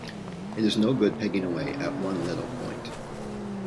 It is no good pegging away at one little point.